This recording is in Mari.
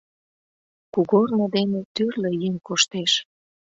Кугорно дене тӱрлӧ еҥ коштеш.